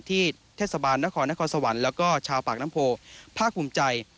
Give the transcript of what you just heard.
เทศบาลนครนครสวรรค์แล้วก็ชาวปากน้ำโพภาคภูมิใจ